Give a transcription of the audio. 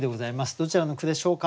どちらの句でしょうか？